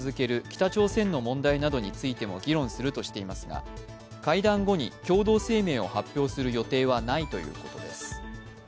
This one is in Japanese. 北朝鮮の問題などについても議論するとしていますが会談後に共同声明を発表する予定はないということです。